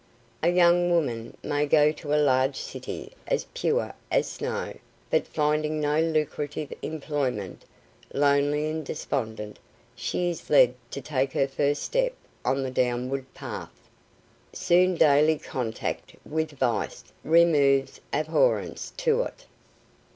A young woman may go to a large city as pure as snow, but finding no lucrative employment, lonely and despondent, she is led to take her first step on the downward path. Soon daily contact with vice removes abhorrence to it.